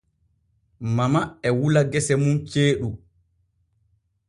Mama e wula gese mun ceeɗu.